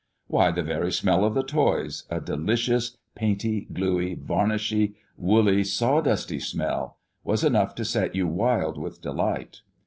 Why, the very smell of the toys, a delicious painty, gluey, varnishy, woolly, sawdusty smell, was enough to set you wild with delight.